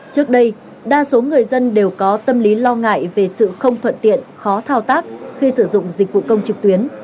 trước đây đa số người dân đều có tâm lý lo ngại về sự không thuận tiện khó thao tác khi sử dụng dịch vụ công trực tuyến